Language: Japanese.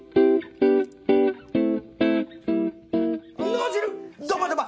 脳汁ドバドバ